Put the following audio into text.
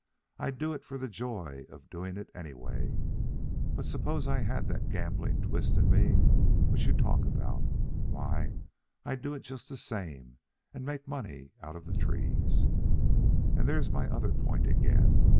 I'd do it for the joy of doing it anyway; but suppose I had that gambling twist in me which you talk about, why, I'd do it just the same and make money out of the trees. And there's my other point again.